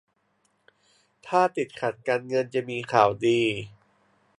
ถ้าติดขัดการเงินจะมีข่าวดี